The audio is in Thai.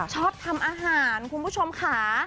ชอบทำอาหารคุณผู้ชมค่ะ